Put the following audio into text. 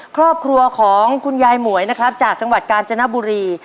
ครอบครัวของคุณยายหมวยนะครับจากจังหวัดกาญจนบุรี